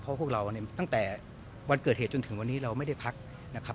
เพราะพวกเราเนี่ยตั้งแต่วันเกิดเหตุจนถึงวันนี้เราไม่ได้พักนะครับ